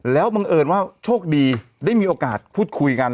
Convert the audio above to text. แล้วบังเอิญว่าโชคดีได้มีโอกาสพูดคุยกัน